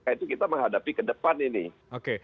itu kita menghadapi ke depan ini